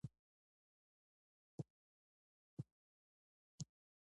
تواب وپوښتل دا چونگا د څه ده ولې راته ښکاري؟